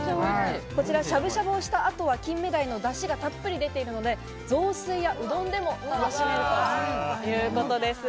しゃぶしゃぶをした後は、金目鯛のだしがたっぷり出ているので、雑炊やうどんでも楽しめるということです。